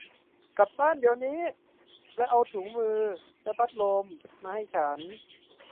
กลับบ้านเดี๋ยวนี้และเอาถุงมือและพัดลมมาให้ฉัน